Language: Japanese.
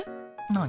何？